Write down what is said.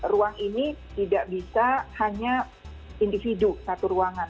ruang ini tidak bisa hanya individu satu ruangan